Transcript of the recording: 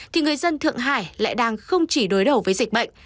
thì người dân thượng hải lại đang không chỉ đối đầu với dịch bệnh